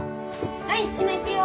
はい陽菜行くよ。